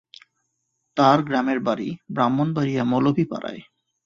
তার গ্রামের বাড়ি ব্রাহ্মণবাড়িয়া মৌলভী পাড়ায়।